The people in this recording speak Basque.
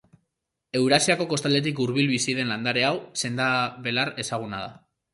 Eurasiako kostaldetik hurbil bizi den landare hau sendabelar ezaguna da.